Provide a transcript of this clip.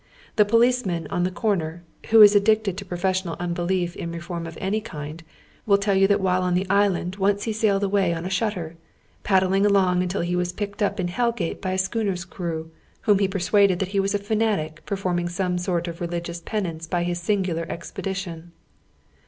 The policeman on the corner, who is addicted to a professional unbelief in I'eform of any kind, will tell you that while on the Island once he sailed away on a shutter, paddling along until he wiis picked up in Hell Gate hy a scliooner's crew, whom he persuaded that he ,y Google 40 HOW THE OTUEK HALF IlVEtf. was a fanatic performing some sort of religions penaiit e by his singular expedition.